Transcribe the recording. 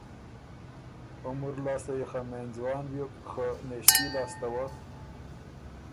عمر لاسته يې خه مېن ځوان بیوک خه نېݭتي لاسته وه